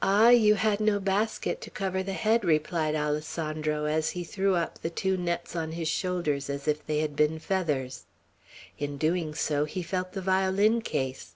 "Ah, you had no basket to cover the head," replied Alessandro, as he threw up the two nets on his shoulders as if they had been feathers. In doing so, he felt the violin case.